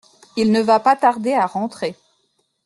Il ne va pas tarder à rentrer.